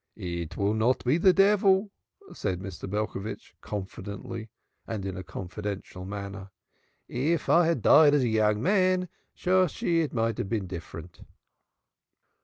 "It will not be the devil," said Mr. Belcovitch, confidently and in a confidential manner. "If I had died as a young man, Shosshi, it might have been different."